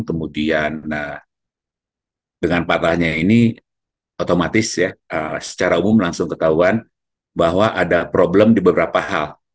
kemudian dengan patahnya ini otomatis ya secara umum langsung ketahuan bahwa ada problem di beberapa hal